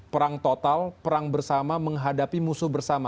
perang total perang bersama menghadapi musuh bersama